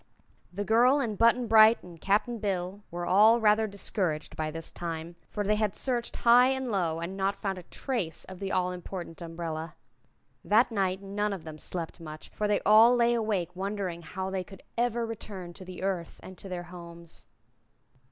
The girl and Button Bright and Cap'n Bill were all rather discouraged by this time, for they had searched high and low and had not found a trace of the all important umbrella. That night none of them slept much, for they all lay awake wondering how they could ever return to the Earth and to their homes.